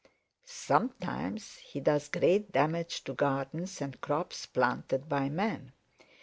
Sometimes he does great damage to gardens and crops planted by man.